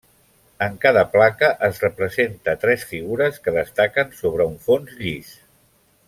En cada placa es representa tres figures que destaquen sobre un fons llis.